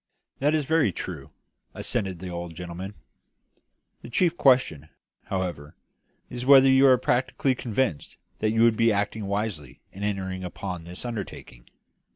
"That is very true," assented the old gentleman. "The chief question, however, is whether you are practically convinced that you would be acting wisely in entering upon this undertaking.